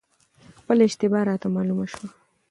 خپله اشتباه راته معلومه شوه،